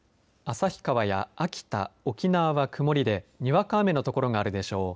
旭川や秋田沖縄は曇りでにわか雨の所があるでしょう。